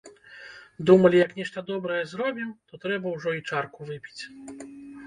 Думалі, як нешта добрае зробім, то трэба ўжо і чарку выпіць.